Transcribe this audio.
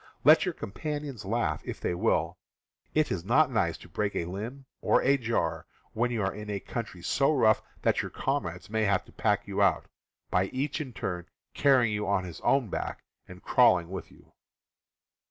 Let your com panions laugh, if they will. It is not nice to break a limb or a jaw when you are in a country so rough that your comrades may have to pack you out, by each, in turn, carrying you on his own back and crawling with you.